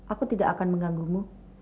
aku tidak akan mengganggu mu